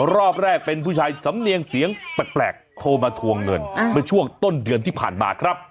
รอบแรกเป็นผู้ชายสำเนียงเสียงแปลกโทรมาทวงเงินเมื่อช่วงต้นเดือนที่ผ่านมาครับ